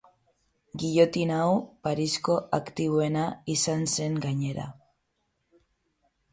Gillotina hau Parisko aktiboena izan zen gainera.